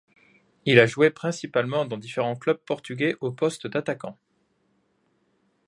Il a joué principalement dans différents clubs portugais au poste d'attaquant.